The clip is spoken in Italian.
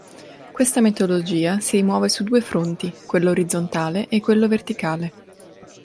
Questa metodologia si muove su due fronti: quello orizzontale e quello verticale.